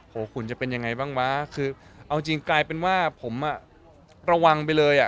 ขุนจะเป็นยังไงบ้างวะคือเอาจริงกลายเป็นว่าผมอ่ะระวังไปเลยอ่ะ